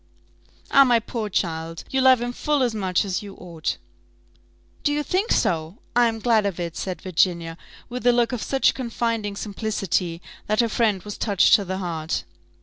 "Ah, my poor child! you love him full as much as you ought." "Do you think so? I am glad of it," said Virginia, with a look of such confiding simplicity, that her friend was touched to the heart.